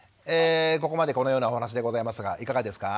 ここまでこのようなお話でございますがいかがですか？